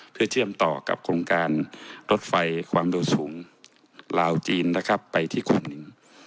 เพื่อเชื่อมต่อกับโครงการรถไฟความเร็วสูงลาวจีนนะครับไปที่โคมิน